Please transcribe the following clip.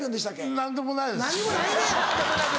何でもないです。